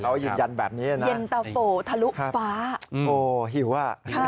เขายืนยันแบบนี้นะเย็นตะโฟทะลุฟ้าโอ้หิวอ่ะ